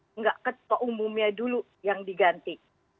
enggak ketua umumnya dulu yang diganti